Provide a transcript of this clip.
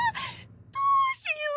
どうしよう。